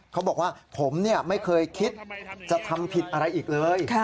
เขาบอกว่าผมไม่เคยคิดจะทำผิดอะไรอีกเลย